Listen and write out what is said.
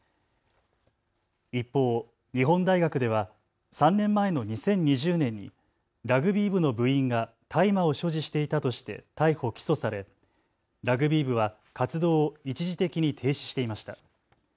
一方、日本大学では３年前の２０２０年にラグビー部の部員が大麻を所持していたとして逮捕・起訴されラグビー部は活動を一時的に停止していました。